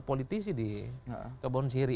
politisi di kebon siri